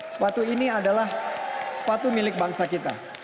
sepatu ini adalah sepatu milik bangsa kita